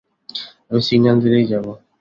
আমি সিগন্যাল দিলেই যাবো।